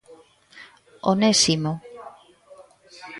Onésimo.